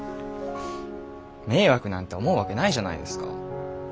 迷惑なんて思うわけないじゃないですか。